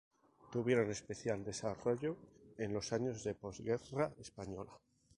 Tuvieron especial desarrollo en los años de posguerra española.